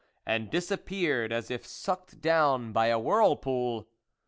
. and disappeared as if sucked down by a whirlpool.